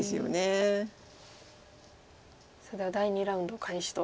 では第２ラウンド開始と。